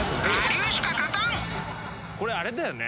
これあれだよね。